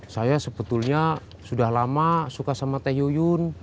saya sebetulnya sudah lama suka sama teh yuyun